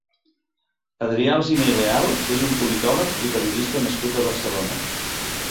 Adrià Alsina i Leal és un politòleg i periodista nascut a Barcelona.